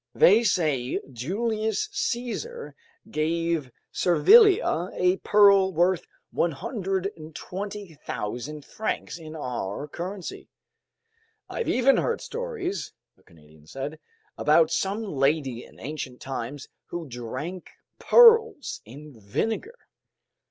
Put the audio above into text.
They say Julius Caesar gave Servilia a pearl worth 120,000 francs in our currency." "I've even heard stories," the Canadian said, "about some lady in ancient times who drank pearls in vinegar."